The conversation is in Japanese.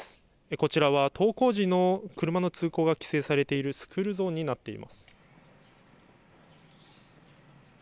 こちらは登校時の車の通行が規制されているスクールゾーンになっています。